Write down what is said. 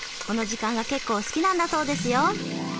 この時間が結構好きなんだそうですよ。